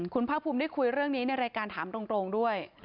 คุณภาคภูมิได้คุยเรื่องนี้ในรายการถามตรงด้วย